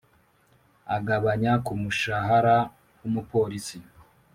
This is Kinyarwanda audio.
agabanya ku mushahara w umupolisi